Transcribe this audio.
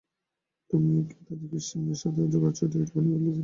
তুমিও কি তোমার ক্রিস্টিনের সাথে জগাখিচুরি বানিয়ে ফেলেছিলে?